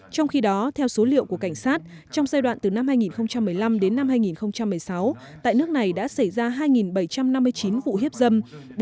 trong khi đó theo số liệu của cảnh sát trong giai đoạn từ năm hai nghìn một mươi năm đến năm hai nghìn một mươi sáu tại nước này đã xảy ra hai bảy trăm năm mươi chín vụ hiếp dâm